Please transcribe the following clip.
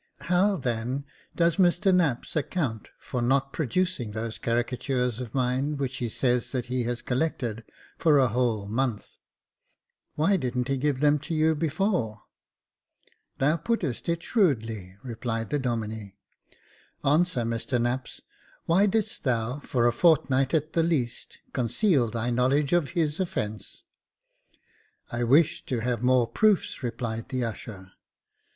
"How, then, does Mr Knapps account for not produc ing those caricatures of mine, which he says that he has collected for a whole month ? Why didn't he give them to you before ?"*' Thou puttest it shrewdly," replied the Domine. " Answer, Mr Knapps, why didst thou, for a fortnight at the least, conceal thy knowledge of his offence ?"" I wished to have more proofs," replied the usher.